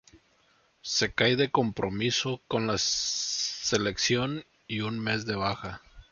Se cae de compromisos con la selección y un mes de baja.